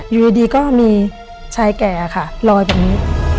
อยู่ดีก็มีชายแก่ค่ะลอยแบบนี้